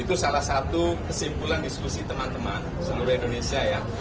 itu salah satu kesimpulan diskusi teman teman seluruh indonesia ya